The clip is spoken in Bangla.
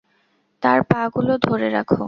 তার পা গুলো ধরে রাখ!